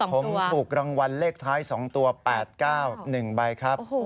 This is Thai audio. ผมถูกรางวัลเลขท้าย๒ตัว๘๙๑ใบครับ